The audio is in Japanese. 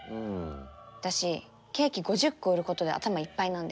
私ケーキ５０個売ることで頭いっぱいなんで。